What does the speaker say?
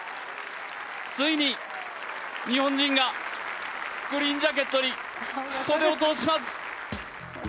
ついに日本人が、グリーンジャケットに袖を通します。